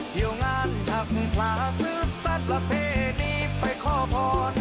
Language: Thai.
เที่ยวงานช้าพลาสซึบสัตละเพดีไปขอพร